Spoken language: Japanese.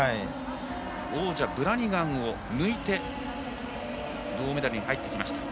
王者ブラニガンを抜いて銅メダルに入ってきました。